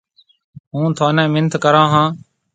هُون ٿوني مِنٿ ڪرو هون۔